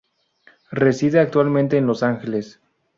Reside actualmente en Los Ángeles.